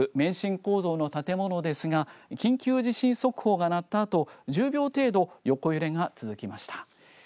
免震構造の建物ですが緊急地震速報が鳴ったあと１０秒程度横揺れが続きました。